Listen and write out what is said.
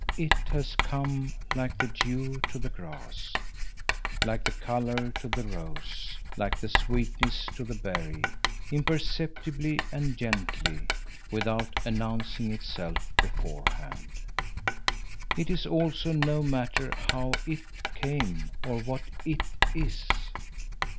"It" has come like the dew to the grass, like the color to the rose, like the sweetness to the berry, imperceptibly and gently without announcing itself beforehand. It is also no matter how "it" came or what "it" is.